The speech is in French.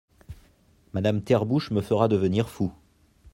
Madame Therbouche me fera devenir fou.